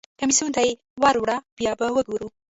کمیسیون ته یې ور وړه بیا به وګورو.